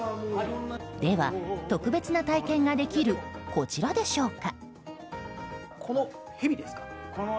では、特別な体験ができるこちらでしょうか？